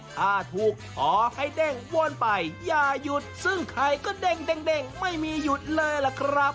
ถ้าถูกขอให้เด้งวนไปอย่าหยุดซึ่งใครก็เด้งไม่มีหยุดเลยล่ะครับ